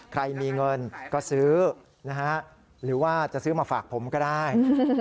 ใครมีเงินก็ซื้อนะฮะหรือว่าจะซื้อมาฝากผมก็ได้